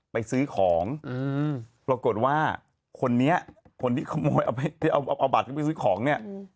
ไปซื้อของปรากฏว่าคนนี้คนที่ขโมยเอาไปเอาบัตรเข้าไปซื้อของเนี่ย